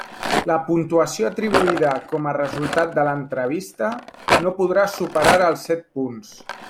La puntuació atribuïda com a resultat de l'entrevista no podrà superar els set punts.